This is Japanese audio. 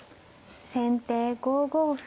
先手５五歩。